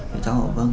thì cháu hỏi vâng